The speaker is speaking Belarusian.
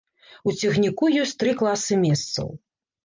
У цягніку ёсць тры класы месцаў.